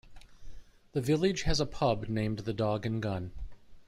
The village has a pub named The Dog and Gun.